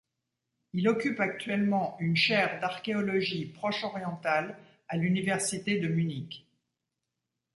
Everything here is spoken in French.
Il occupe actuellement une chaire d’archéologie proche-orientale à l’université de Munich.